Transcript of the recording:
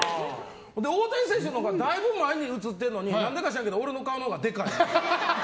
大谷選手のほうがだいぶ前に写ってるのに何でか知らんけど俺の顔のほうがでかい。